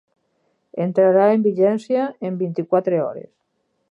Entrarà en vigència en vint-i-quatre hores.